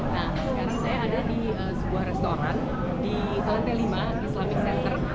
nah sekarang saya ada di sebuah restoran di lantai lima islamic center